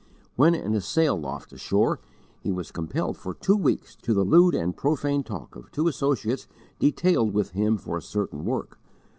When in a sail loft ashore, he was compelled for two weeks to listen to the lewd and profane talk of two associates detailed with him for a certain work.